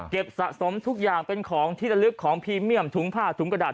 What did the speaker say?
สะสมทุกอย่างเป็นของที่ละลึกของพรีเมียมถุงผ้าถุงกระดาษ